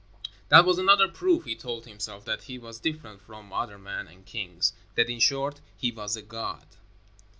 That was another proof, he told himself, that he was different from other men and kings that, in short, he was a god.